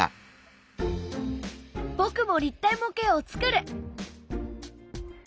僕も立体模型を作る！